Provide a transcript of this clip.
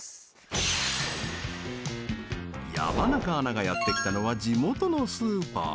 山中アナがやってきたのは地元のスーパー。